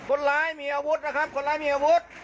คนร้ายมีอาวุธนะครับคนร้ายมีอาวุธ